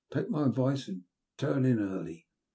Take my advice and turn in early.